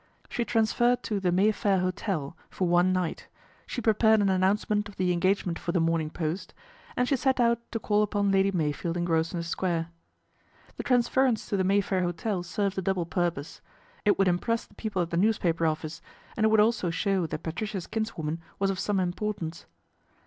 She transferred to " The Mayfair Hotel " for one night, she prepared an announcement of the engagement for The Morning Post, and she set out to call upon Lady Meyfield in Grosvenor Square. The transference to " The Mayfair Hotel " served a double purpose. It would impress the people at the newspaper office, and it would also show that Patricia's kinswoman was of some importance.